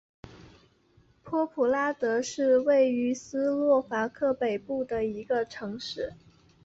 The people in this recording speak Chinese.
波普拉德是位于斯洛伐克北部的一个城市。